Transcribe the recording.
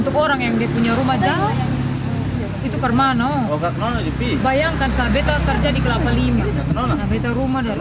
kalau jalan kaki ya pasti bagus